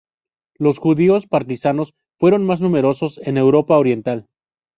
Los judíos partisanos fueron más numerosos en Europa Oriental.